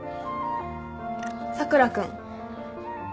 佐倉君。